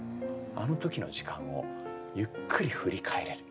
あの時の時間をゆっくり振り返れる。